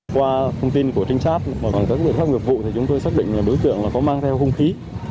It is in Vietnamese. qua thông tin của trinh sát bằng các lực lượng hình sự chúng tôi xác định đối tượng có mang theo không khí